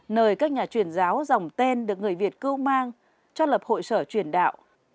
nơi các nhà truyền giáo dòng tên được người việt cưu mang cho lập hội sở truyền đạo